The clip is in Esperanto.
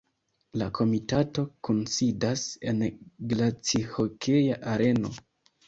La komitato kunsidas en glacihokea areno.